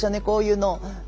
こういうの。